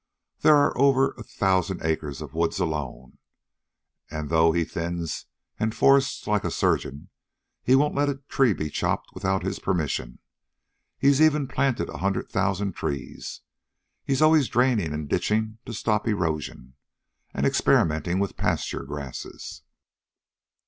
There are over a thousand acres of woods alone, and, though he thins and forests like a surgeon, he won't let a tree be chopped without his permission. He's even planted a hundred thousand trees. He's always draining and ditching to stop erosion, and experimenting with pasture grasses.